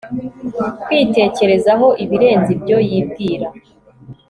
kwitekerezaho ibirenze ibyo yibwira